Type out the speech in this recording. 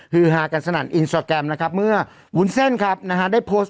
ฮือฮากันสนั่นนะครับเมื่อวุ้นเส้นครับนะฮะได้โพสต์